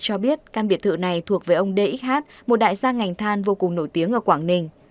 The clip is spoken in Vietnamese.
cho biết căn biệt thự này thuộc với ông d x h một đại gia ngành than vô cùng nổi tiếng ở quảng ninh